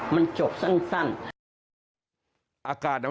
มันจบสั้น